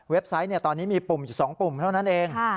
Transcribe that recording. เว็บไซต์ตอนนี้มี๒ปุ่มเท่านั้นเอง